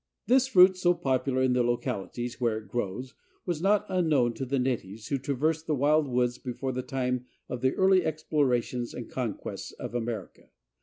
This fruit, so popular in the localities where it grows, was not unknown to the natives who traversed the wild woods before the time of the early explorations and conquests of America.